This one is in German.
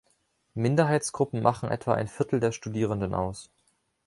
Minderheitsgruppen machen etwa ein Vierteil der Studierenden aus.